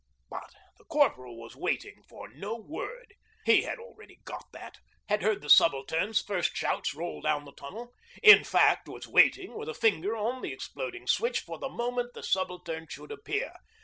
But the Corporal was waiting for no word. He had already got that, had heard the Subaltern's first shouts roll down the tunnel, in fact was waiting with a finger on the exploding switch for the moment the Subaltern should appear.